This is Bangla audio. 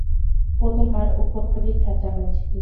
ও তোমার ওপর পরীক্ষা চালাচ্ছিল।